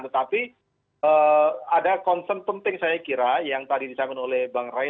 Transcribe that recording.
tetapi ada concern penting saya kira yang tadi disampaikan oleh bang ray